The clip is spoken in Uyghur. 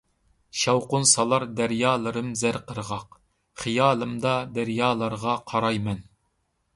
شاۋقۇن سالار دەريالىرىم زەر قىرغاق، خىيالىمدا دەريالارغا قاراي مەن.